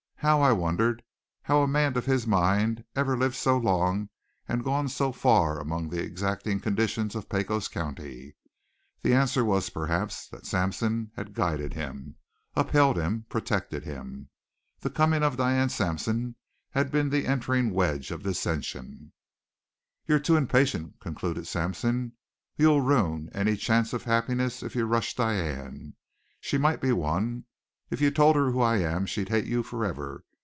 How, I wondered, had a man of his mind ever lived so long and gone so far among the exacting conditions of Pecos County? The answer was perhaps, that Sampson had guided him, upheld him, protected him. The coming of Diane Sampson had been the entering wedge of dissension. "You're too impatient," concluded Sampson. "You'll ruin any chance of happiness if you rush Diane. She might be won. If you told her who I am she'd hate you forever.